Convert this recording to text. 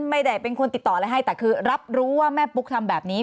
ไม่ได้เป็นคนติดต่ออะไรให้แต่คือรับรู้ว่าแม่ปุ๊กทำแบบนี้